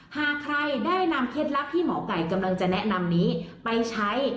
หากใครได้นำเคล็ดลับที่หมอไก่กำลังจะแนะนำนี้ไปใช้